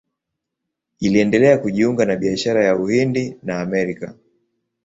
Iliendelea kujiunga na biashara ya Uhindi na Amerika.